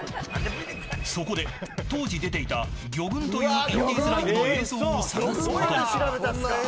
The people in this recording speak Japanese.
そこで当時出ていた魚群というインディーズライブの映像を探すことに。